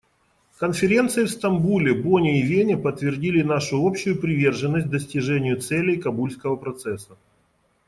Конференции в Стамбуле, Бонне и Вене подтвердили нашу общую приверженность достижению целей Кабульского процесса.